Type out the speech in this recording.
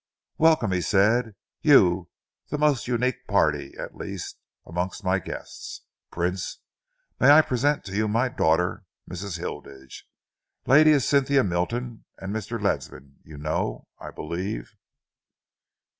"Welcome," he said, "you, the most unique party, at least, amongst my guests. Prince, may I present you to my daughter, Mrs. Hilditch? Lady Cynthia Milton and Mr. Ledsam you know, I believe."